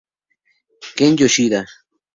Ken Yoshida